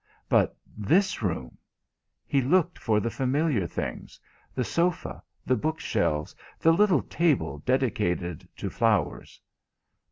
But this room ! He looked for the familiar things the sofa, the bookshelves, the little table dedicated to flowers.